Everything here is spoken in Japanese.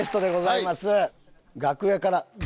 楽屋から。